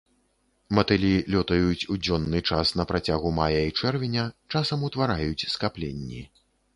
Матылі лётаюць у дзённы час на працягу мая і чэрвеня, часам утвараюць скапленні.